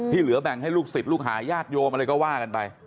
เหลือแบ่งให้ลูกศิษย์ลูกหาญาติโยมอะไรก็ว่ากันไป